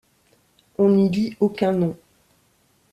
On n’y lit aucun nom.